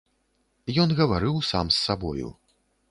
Ён гаварыў сам з сабою.